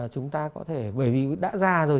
chúng ta có thể bởi vì đã già rồi